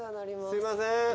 すいません。